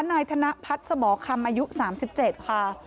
นายธนพัฒน์สมคำอายุ๓๗ค่ะ